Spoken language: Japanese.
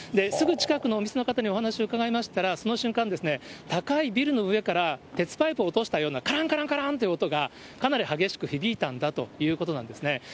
すぐ近くのお店の方にお話を伺いましたら、その瞬間、高いビルの上から、鉄パイプを落としたような、からんからんからんという音が、かなり激しく響いたんだということなんですね。